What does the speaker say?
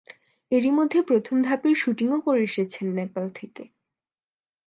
এরই মধ্যে প্রথম ধাপের শুটিংও করে এসেছেন নেপাল থেকে।